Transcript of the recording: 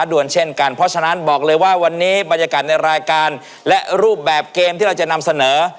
ด่วนเช่นกันเพราะฉะนั้นบอกเลยว่าวันนี้บรรยากาศในรายการและรูปแบบเกมที่เราจะนำเสนอ